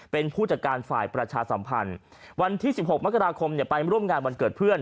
เป็นผู้จัดการฝ่ายประชาสัมพันธ์วันที่๑๖มกราคมไปร่วมงานวันเกิดเพื่อน